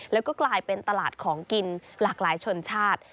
แล้วก็กลายเป็นตลาดของกินหลากหลายชนชาติ